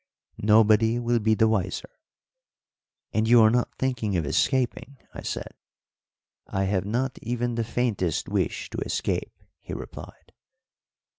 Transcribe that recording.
Nobody will be the wiser." "And you are not thinking of escaping?" I said. "I have not even the faintest wish to escape," he replied.